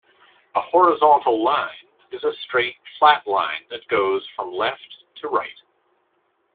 A "horizontal line" is a straight, flat line that goes from left to right.